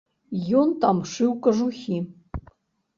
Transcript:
Ён там шыў кажухі.